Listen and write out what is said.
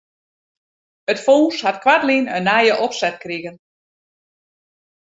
It fûns hat koartlyn in nije opset krigen.